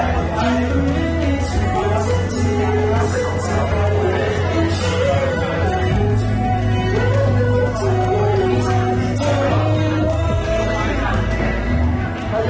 ขอบคุณครับ